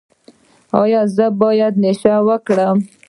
ایا زه باید نشه وکړم؟